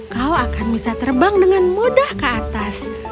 kau akan bisa terbang dengan mudah ke atas